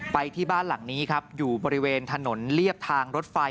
ไปที่บ้านหลังนี้ครับอยู่บริเวณถนนเรียบทางรถไฟ